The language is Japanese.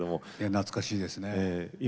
懐かしいですね。